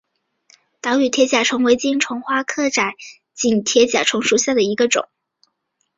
岛屿铁甲虫为金花虫科窄颈铁甲虫属下的一个种。